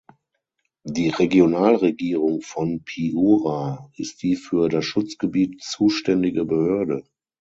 Die Regionalregierung von Piura ist die für das Schutzgebiet zuständige Behörde.